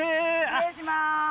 失礼します。